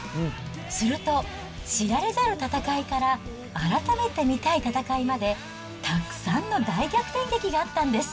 すると、知られざる戦いから、改めて見たい戦いまで、たくさんの大逆転劇があったんです。